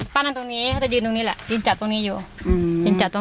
ป้านั่งตรงนี้เขาจะยืนตรงนี้แหละยืนจับตรงนี้อยู่